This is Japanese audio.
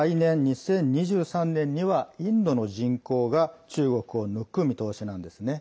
来年２０２３年にはインドの人口が中国を抜く見通しなんですね。